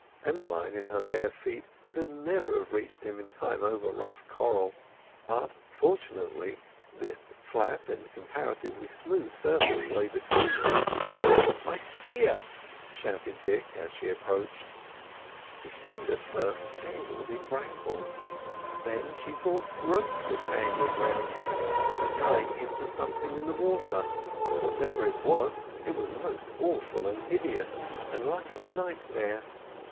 Emmeline in her bare feet could never have reached him in time over rough coral, but, fortunately, this flat and comparatively smooth surface lay between them. "My spear!" shouted Dick, as she approached. He seemed at first tangled in brambles; then she thought ropes were tangling round him and tying him to something in the water—whatever it was, it was most awful, and hideous, and like a nightmare.